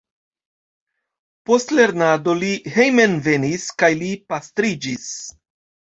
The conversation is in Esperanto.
Post lernado li hejmenvenis kaj li pastriĝis.